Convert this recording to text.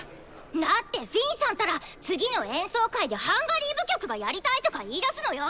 だってフィンさんったら次の演奏会でハンガリー舞曲がやりたいとか言いだすのよ！？